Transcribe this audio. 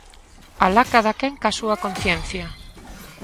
¡Alá cadaquén coa súa conciencia!